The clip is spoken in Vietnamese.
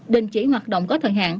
đình chỉ hoạt động có thời hạn